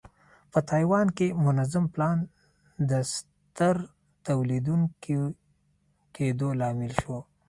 په تایوان کې منظم پلان د ستر تولیدوونکي کېدو لامل شو.